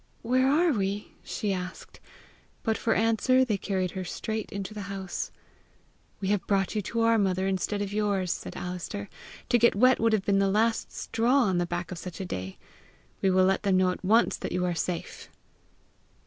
"Where are we?" she asked; but for answer they carried her straight into the house. "We have brought you to our mother instead of yours," said Alister. "To get wet would have been the last straw on the back of such a day. We will let them know at once that you are safe."